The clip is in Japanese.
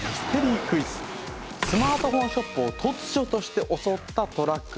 スマートフォンショップを突如として襲ったトラック。